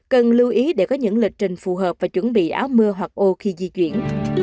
cần lưu ý để có những lịch trình phù hợp và chuẩn bị áo mưa hoặc ô khi di chuyển